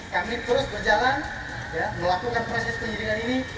kami terus berjalan melakukan proses penyelidikan ini